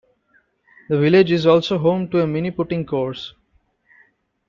The village is also home to a mini putting course.